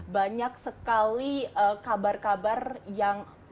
banyak sekali kabar kabar yang